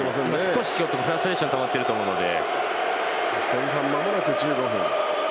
少しフラストレーションがたまっていると思うので。